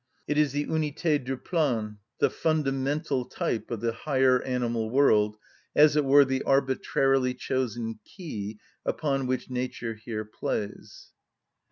It is the unité de plan, the fundamental type of the higher animal world, as it were the arbitrarily chosen key upon which nature here plays.